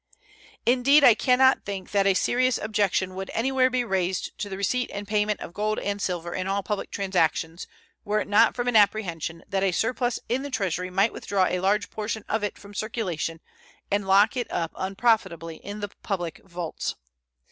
Indeed, I can not think that a serious objection would anywhere be raised to the receipt and payment of gold and silver in all public transactions were it not from an apprehension that a surplus in the Treasury might withdraw a large portion of it from circulation and lock it up unprofitably in the public vaults.